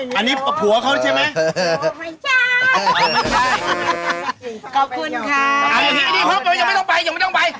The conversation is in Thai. ใช่อันนี้ผัวเขาใช่ไหมไม่ใช่ขอบคุณค่ะยังไม่ต้องไปยังไม่ต้องไป